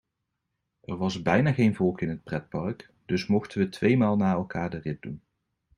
Er was bijna geen volk in het pretpark dus mochten we tweemaal na elkaar de rit doen.